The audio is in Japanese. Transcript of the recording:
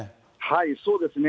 そうですね。